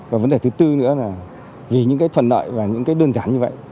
và vấn đề thứ tư nữa là vì những cái thuận lợi và những cái đơn giản như vậy